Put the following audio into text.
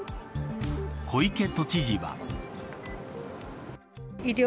小池都知事は。